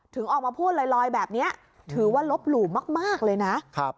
ออกมาพูดลอยแบบนี้ถือว่าลบหลู่มากเลยนะ